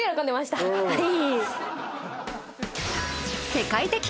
はい。